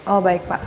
oh baik pak